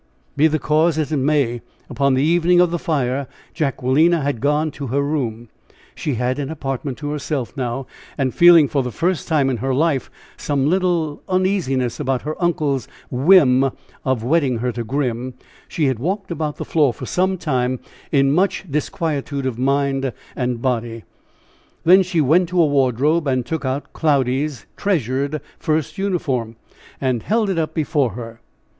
Be the cause as it may, upon the evening of the fire Jacquelina had gone to her room she had an apartment to herself now and feeling for the first time in her life some little uneasiness about her uncle's "whim" of wedding her to Grim, she had walked about the floor for some time in much disquietude of mind and body; then she went to a wardrobe, and took out Cloudy's treasured first uniform, and held it up before her.